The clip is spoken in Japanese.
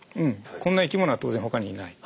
こんな生き物は当然他にいない。